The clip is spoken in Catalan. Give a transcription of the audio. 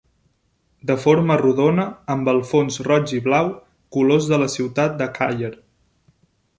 De forma rodona, amb el fons roig i blau, colors de la ciutat de Càller.